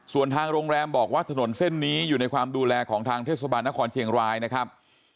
ส่วนทางโรงแรมบอกว่าถนนเส้นนี้อยู่ในความดูแลของทางเทศบาลนครเชียงรายนะครับ